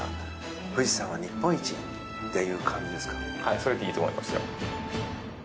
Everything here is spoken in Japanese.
それでいいと思いますよ。